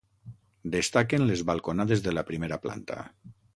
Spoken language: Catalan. Destaquen les balconades de la primera planta.